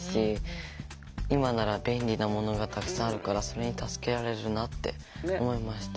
今なら便利なものがたくさんあるからそれに助けられるなって思いました。